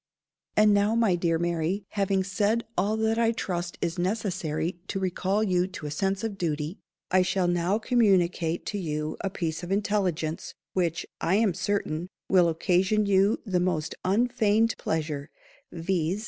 _ "And now, my dear Mary, having said all that I trust is necessary to recall you to a sense of your duty, I shall now communicate to you a piece of intelligence, which, I am certain, will occasion you the _most _unfeigned pleasure, viz.